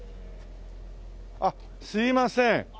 あっすいません！